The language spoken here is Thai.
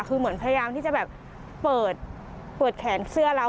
คือเหมือนพยายามที่จะแบบเปิดแขนเสื้อเรา